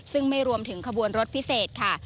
ซึ่งไม่รวมถึงขบวนรถพิเศษค่ะ